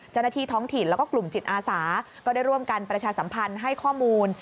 เจ้าหน้าที่ท้องถิ่นแล้วก็กลุ่มจิตอาสาก็ได้ร่วมกันประชาสัมพันธ์ให้ข้อมูล